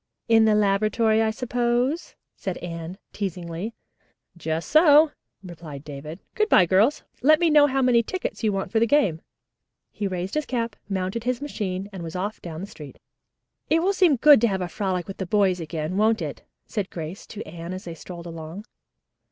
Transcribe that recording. "In the laboratory, I suppose," said Anne teasingly. "Just so," replied David. "Good bye, girls. Let me know how many tickets you want for the game." He raised his cap, mounted his machine and was off down the street. "It will seem good to have a frolic with the boys again, won't it?" said Grace to Anne as they strolled along.